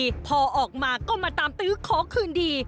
คุกมาสิบปีพอออกมาก็มาตามตื้อขอคืนดี